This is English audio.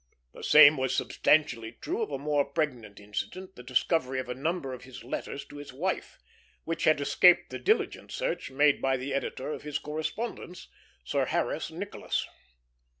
The same was substantially true of a more pregnant incident, the discovery of a number of his letters to his wife, which had escaped the diligent search made by the editor of his correspondence, Sir Harris Nicolas.